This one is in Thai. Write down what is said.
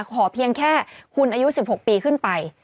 ขอเพียงแค่คุณอายุ๑๖ปีขึ้นไป